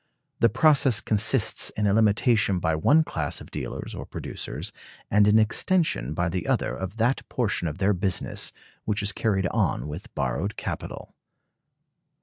The process consists in a limitation by one class of dealers or producers and an extension by the other of that portion of their business which is carried on with borrowed capital.